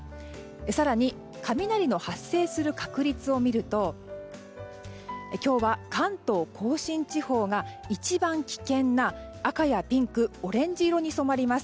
更に雷の発生する確率を見ると今日は関東・甲信地方が一番危険な赤やピンク、オレンジ色に染まります。